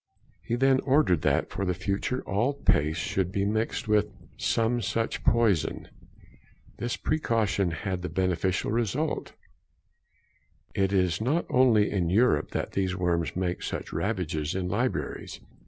He then ordered that for the future all paste should be mixed with some such poison. This precaution had the beneficial result. It is not only in Europe that these worms make such ravages in libraries.